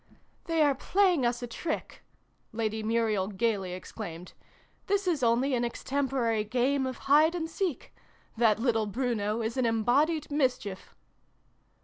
" They are playing us a trick !" Lady Muriel gaily exclaimed. " This is only an ex tempore game of Hide and Seek ! That little Bruno is an embodied Mischief!"